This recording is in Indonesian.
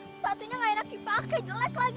sepatunya gak enak dipakai jelek lagi